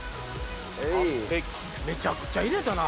めちゃくちゃ入れたな。